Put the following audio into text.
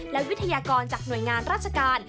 และวิทยากรจากหน่วยงานราชการ